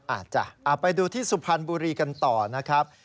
อาจจะไปดูที่สุพรรณบุรีกันต่อนะครับ